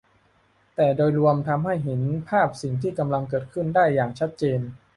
แต่โดยรวมทำให้เห็นภาพสิ่งที่กำลังเกิดขึ้นได้อย่างชัดเจน